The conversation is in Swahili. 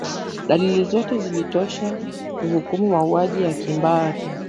dalili zote zilitosha kuhukumu mauaji ya kimbari